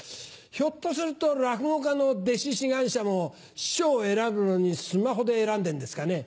ひょっとすると落語家の弟子志願者も師匠を選ぶのにスマホで選んでんですかね。